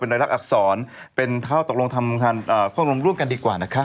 เป็นรายรักอักษรเขาก็ตกลงทำข้องโรงร่งกันดีกว่านะครับ